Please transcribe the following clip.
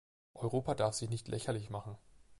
Europa darf sich nicht lächerlich machen.